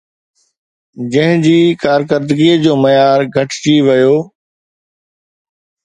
جنهن جي ڪارڪردگيءَ جو معيار گهٽجي ويو